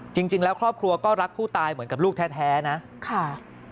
จริงแล้วครอบครัวก็รักผู้ตายเหมือนกับลูกแท้นะค่ะ